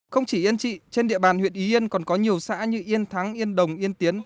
không chỉ yên trị trên địa bàn huyện ý yên còn có nhiều xã như yên thắng yên đồng yên tiến